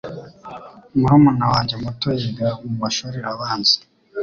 Murumuna wanjye muto yiga mumashuri abanza.